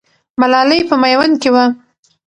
ملالۍ په میوند کې وه.